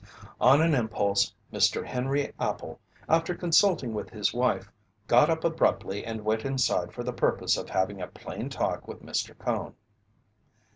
On an impulse, Mr. Henry Appel, after consulting with his wife, got up abruptly and went inside for the purpose of having a plain talk with Mr. Cone.